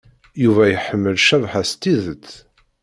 Yuba iḥemmel Cabḥa s tidet.